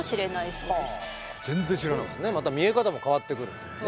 そうですねまた見え方も変わってくるというね。